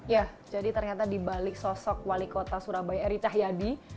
ya jadi ternyata dibalik sosok wali kota surabaya eri cahyadi